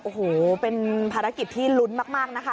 โอ้โหเป็นภารกิจที่ลุ้นมากนะคะ